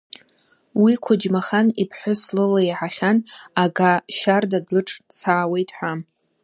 Уи Қәыџьмахан иԥҳәыс лыла иаҳахьан Ага Шьарда длыҿцаауеит ҳәа.